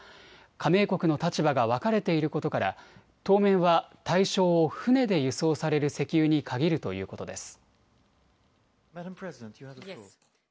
加盟国の立場が分かれていることから当面は対象を船で輸送される石油に限るということです。